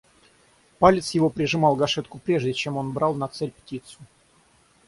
Палец его прижимал гашетку прежде, чем он брал на цель птицу.